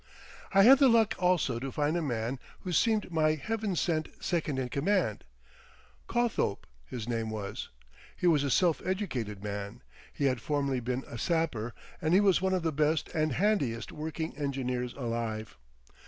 I had the luck also to find a man who seemed my heaven sent second in command—Cothope his name was. He was a self educated man; he had formerly been a sapper and he was one of the best and handiest working engineers alive.